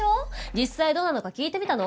実際どうなのか聞いてみたの？